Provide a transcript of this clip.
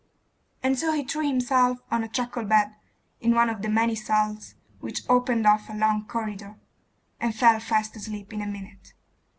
And so he threw himself on a truckle bed, in one of the many cells which opened off a long corridor, and fell fast asleep in a minute.